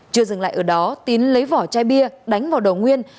chưa dừng lại ở đó tín lấy vỏ chai bia đánh vào đầu nguyên